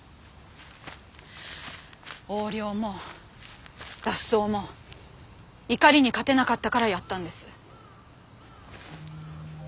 横領も脱走も怒りに勝てなかったからやったんです。